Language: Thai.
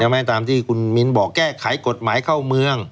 ไม่ตามที่คุณมิ้นบอกแก้ไขกฎหมายเข้าเมือง